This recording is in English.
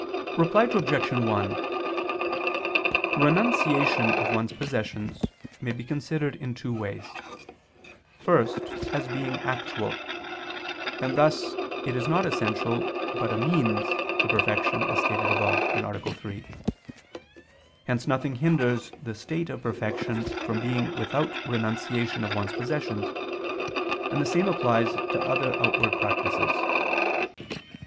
Reply Obj. 1: Renunciation of one's possessions may be considered in two ways. First, as being actual: and thus it is not essential, but a means, to perfection, as stated above (A. 3). Hence nothing hinders the state of perfection from being without renunciation of one's possessions, and the same applies to other outward practices.